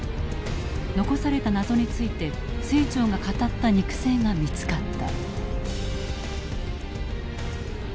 残された謎について清張が語った肉声が見つかった。